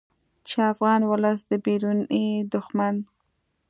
چې افغان ولس د بیروني دښمن